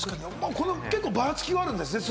ばらつきがあるんですね。